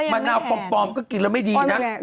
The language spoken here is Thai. มะนาวปลอมก็กินแล้วไม่ดีนะ